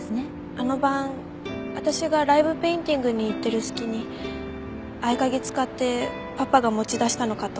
あの晩私がライブペインティングに行ってる隙に合鍵使ってパパが持ち出したのかと。